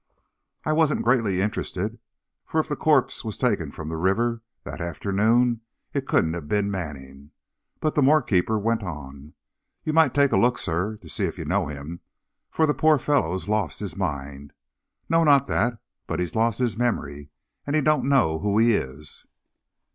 I wasn't greatly interested, for if the corpse was taken from the river that afternoon, it couldn't have been Manning. But the morgue keeper went on: "You might take a look, sir, to see if you know him. For the poor fellow's lost his mind, no, not that, but he's lost his memory, and he dunno who he is!"